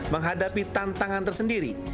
menghadapi tantangan tersendiri